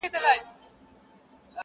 په قبرو کي د وطن په غم افګار یو،